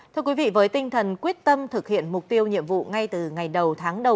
thưa quý vị với tinh thần quyết tâm thực hiện mục tiêu nhiệm vụ ngay từ ngày đầu tháng đầu